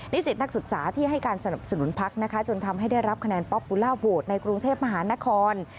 สิทธิ์นักศึกษาที่ให้การสนับสนุนพักนะคะจนทำให้ได้รับคะแนนป๊อปปูล่าโหวตในกรุงเทพมหานคร